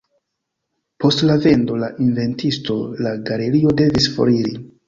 Post la vendo al invenstisto la galerio devis foriri.